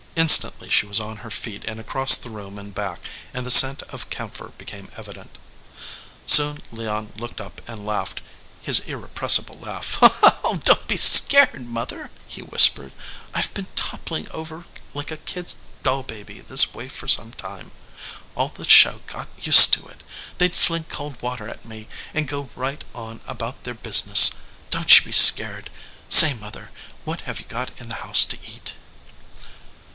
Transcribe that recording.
Instantly she was on her feet and across the room and back, and the scent of camphor became evident. Soon Leon looked up and laughed his irrepres sible laugh. "Don t be scared, mother," he whis pered. "I ve been toppling over like a kid s doll baby this way for some time. All the show got used to it. They d fling cold water at me and go right on about their business. Don t you be scared. Say, mother, what have you got in the house to eat?"